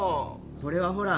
これはほら